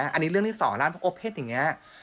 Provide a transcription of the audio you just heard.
อันนี้เรื่องที่สองร้านทางเพศโอเพศอย่างนี้